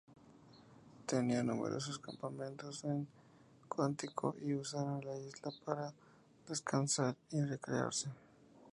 Tenían numerosos campamentos en Quantico, y usaron la isla para descansar y recrearse.